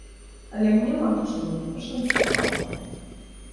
Але мне, магчыма, пашанцавала.